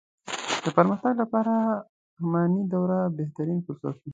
د پرمختګ لپاره اماني دوره بهترين فرصت وو.